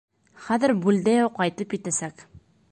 Хәҙер Бульдео ҡайтып етәсәк...